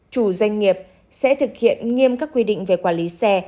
chủ doanh nghiệp sẽ thực hiện nghiêm các quy định về quản lý xe